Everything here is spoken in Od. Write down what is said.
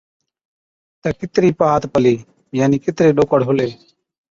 تہ ڪِترِي پَھات پلِي، يعني ڪِتري ڏوڪڙ ھُلي